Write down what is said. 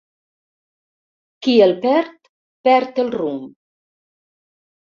Qui el perd, perd el rumb.